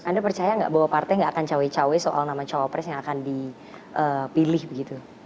anda percaya nggak bahwa partai gak akan cawe cawe soal nama cawapres yang akan dipilih begitu